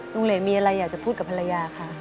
เหรนมีอะไรอยากจะพูดกับภรรยาคะ